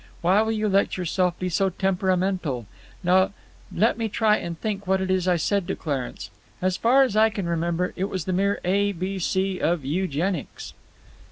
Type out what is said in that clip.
Why will you let yourself be so temperamental? Now let me try and think what it was I said to Clarence. As far as I can remember it was the mere A B C of eugenics."